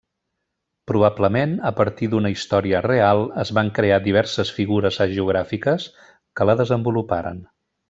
Probablement, a partir d'una història real, es van crear diverses figures hagiogràfiques que la desenvoluparen.